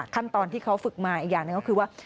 ขั้นตอนที่เขาฝึกมาอีกอย่างหนึ่งก็คือว่า